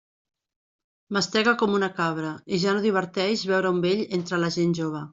Mastegue com una cabra i ja no diverteix veure un vell entre la gent jove.